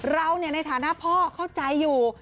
เราในฐานะพ่อเข้าใจอยู่